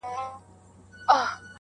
زرین لوښي یې کتار کړل غلامانو،